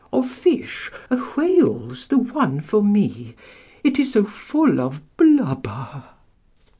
"Of fish, a whale's the one for me, IT IS SO FULL OF BLUBBER!"